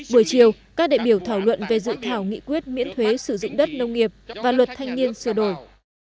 buổi chiều các đại biểu thảo luận về dự thảo nghị quyết miễn thuế sử dụng đất nông nghiệp và luật thanh niên sửa đổi